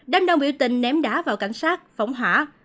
đám đông biểu tình ném đá vào cảnh sát phóng hỏa